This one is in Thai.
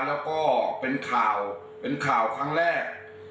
แล้วก็เป็นข่าวครั้งแรก